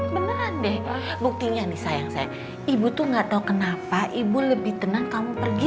beneran deh buktinya nih sayang saya ibu tuh nggak tahu kenapa ibu lebih tenang kamu pergi